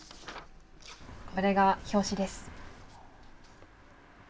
これが表紙です。